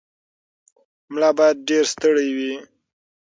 ملا باید ډېر ستړی وي.